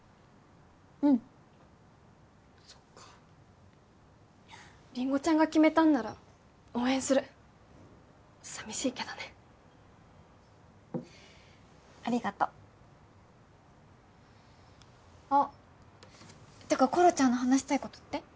うんそっかりんごちゃんが決めたんなら応援する寂しいけどねありがとうあっってかころちゃんの話したいことって？